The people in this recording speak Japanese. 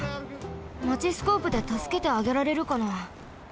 マチスコープでたすけてあげられるかな？